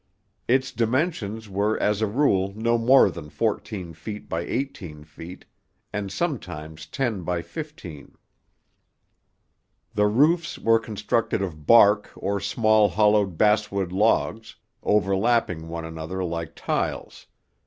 Its dimensions were as a rule no more than fourteen feet by eighteen feet, and sometimes ten by fifteen. The roofs were constructed of bark or small hollowed basswood logs, overlapping one another like tiles.